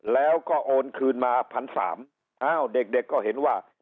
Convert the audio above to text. แล้วก็โอนคืนมาพันสามอ้าวเด็กเด็กก็เห็นว่า